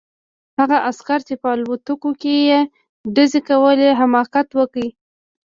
هغه عسکر چې په الوتکو یې ډزې کولې حماقت وکړ